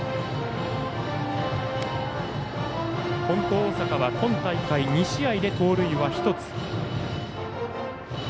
金光大阪は今大会２試合で盗塁は１つ。